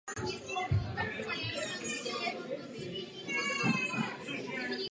Dnes má dům ve správě soukromá společnost a proto není přístupný veřejnosti.